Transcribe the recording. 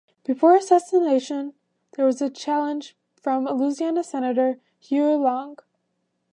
Before his assassination, there was a challenge from Louisiana Senator Huey Long.